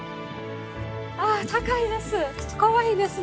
あ高いです。